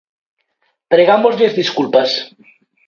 Pregámoslles desculpas.